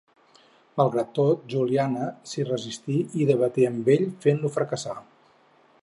Malgrat tot, Juliana s'hi resistí i debaté amb ell, fent-lo fracassar.